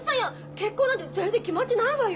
結婚なんて全然決まってないわよ。